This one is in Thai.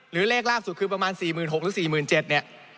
หรือเลขราบสุดคือประมาณ๔๖๐๐๐หรือ๔๗๐๐๐เนี่ย